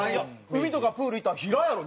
海とかプール行ったら平やろ？